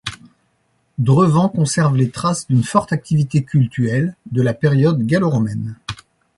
Drevant conserve les traces d'une forte activité cultuelle de la période gallo-romaine.